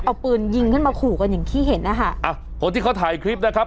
เอาปืนยิงขึ้นมาขู่กันอย่างที่เห็นนะคะอ่ะคนที่เขาถ่ายคลิปนะครับ